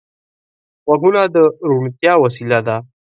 غوږونه د روڼتیا وسیله ده